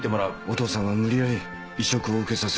お父さんは無理やり移植を受けさせる。